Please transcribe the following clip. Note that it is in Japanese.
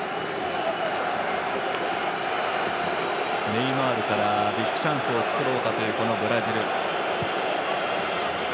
ネイマールからビッグチャンスを作ろうかというブラジル。